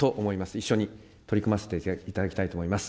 一緒に取り組ませていただきたいと思います。